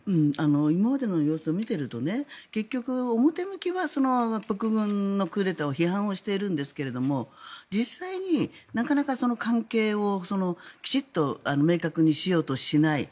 今までの様子を見ていると結局、表向きは国軍のクーデターを批判しているんですが実際になかなか関係をきちんと明確にしようとしない。